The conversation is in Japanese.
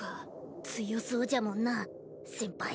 強そうじゃもんな先輩。